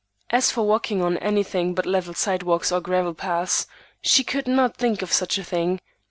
As for walking on anything but level sidewalks or gravel paths, she could not think of such a thing.